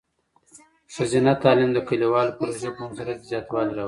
ښځینه تعلیم د کلیوالو پروژو په مؤثریت کې زیاتوالی راولي.